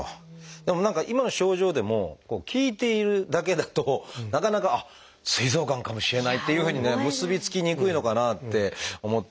でも何か今の症状でも聞いているだけだとなかなか「あっすい臓がんかもしれない」っていうふうにね結び付きにくいのかなって思ったりもして。